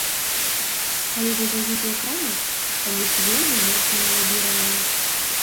Калі вы зойдзеце ў краму, там ёсць вельмі моцнае лабіраванне.